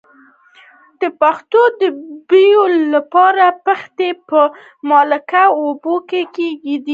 د پښو د بوی لپاره پښې په مالګه اوبو کې کیږدئ